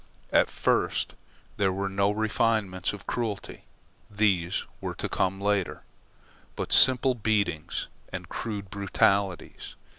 At first there were no refinements of cruelty (these were to come later), but simple beatings and crude brutalities.